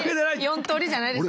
４通りじゃないですか。